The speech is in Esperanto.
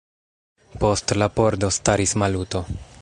Post la pordo staris Maluto.